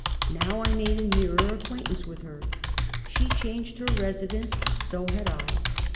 Now I made a nearer acquaintance with her. She changed her residence; so had I.